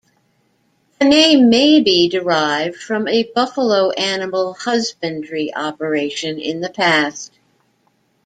The name may be derived from a buffalo animal husbandry operation in the past.